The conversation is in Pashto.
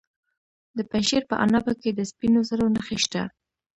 د پنجشیر په عنابه کې د سپینو زرو نښې شته.